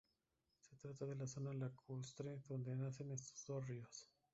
Se trata de la zona lacustre donde nacen estos dos ríos.